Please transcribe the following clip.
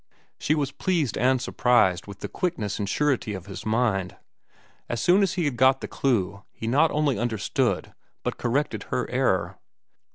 She was pleased and surprised with the quickness and surety of his mind. As soon as he had got the clew he not only understood but corrected her error.